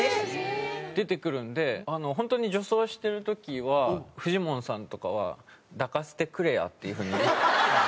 出てくるんで本当に女装してる時はフジモンさんとかは「抱かせてくれや」っていう風に。